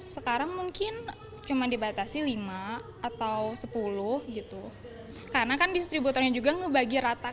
sekarang mungkin cuma dibatasi lima atau sepuluh gitu karena kan distributornya juga ngebagi rata